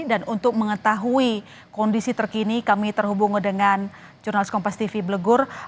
dan untuk mengetahui kondisi terkini kami terhubung dengan jurnalis kompas tv belegur